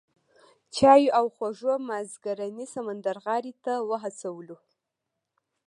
چایو او خوږو مازیګرنۍ سمندرغاړې ته وهڅولو.